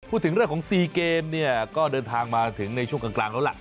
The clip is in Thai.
พูดถึงเรื่องของ๔เกมเนี่ยก็เดินทางมาถึงในช่วงกลางแล้วล่ะ